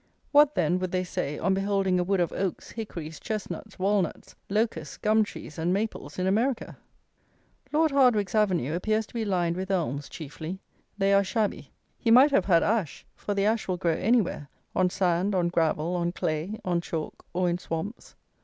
What, then, would they say, on beholding a wood of Oaks, Hickories, Chestnuts, Walnuts, Locusts, Gum trees, and Maples in America! Lord Hardwicke's avenue appears to be lined with Elms chiefly. They are shabby. He might have had ash; for the ash will grow anywhere; on sand, on gravel, on clay, on chalk, or in swamps.